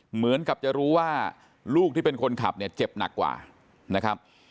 เหมือนกับจะรู้ว่าลูกที่เป็นคนขับเนี่ยเจ็บหนักกว่านะครับ